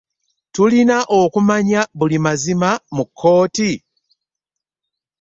Tulina okumanya buli mazima mu kkooti?